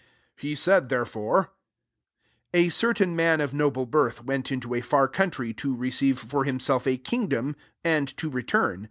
12 He said therefore, ^* A certain man of noble birth went into a far coun try to receive for himself a kingdom, and to return.